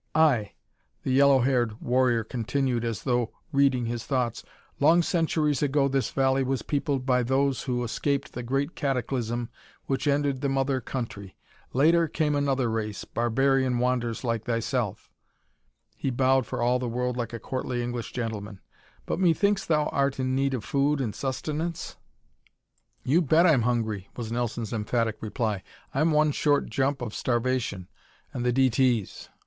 "Aye," the yellow haired warrior continued as though reading his thoughts, "long centuries ago this valley was peopled by those who escaped the great cataclysm which ended the mother country. Later came another race, barbarian wanderers like thyself." He bowed for all the world like a courtly English gentleman. "But methinks thou art in need of food and sustenance?" "You bet I'm hungry," was Nelson's emphatic reply. "I'm one short jump of starvation and the D. T.'s.